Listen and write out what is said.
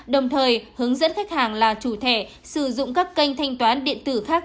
đồng thời hướng dẫn khách hàng là chủ thẻ sử dụng các kênh thanh toán điện tử khác